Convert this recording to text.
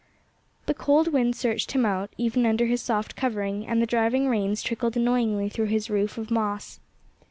The cold wind searched him out, even under his soft covering; and the driving rains trickled annoyingly through his roof of moss.